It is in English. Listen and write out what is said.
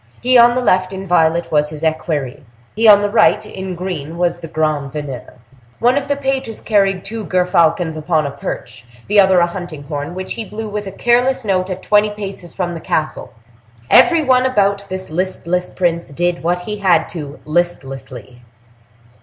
He on the left, in violet, was his equerry; he on the right, in green, was the grand veneur. One of the pages carried two gerfalcons upon a perch, the other a hunting horn, which he blew with a careless note at twenty paces from the castle. Every one about this listless prince did what he had to listlessly.